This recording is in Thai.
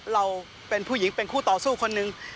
เราเป็นผู้หญิงเป็นคู่ต่อสู้คนหนึ่ง